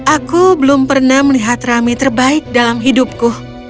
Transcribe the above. aku belum pernah melihat rami terbaik dalam hidupku